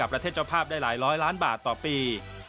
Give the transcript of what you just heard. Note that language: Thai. และประเทศเจ้าภาพได้หลายร้อยล้านบาทต่อปี